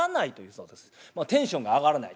テンションが上がらない。